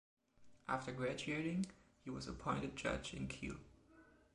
After graduating, he was appointed judge in Kiel.